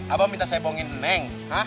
abah minta saya bohongin nek